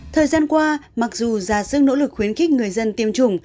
thời gian qua mặc dù ra dưng nỗ lực khuyến khích người dân tiêm chủng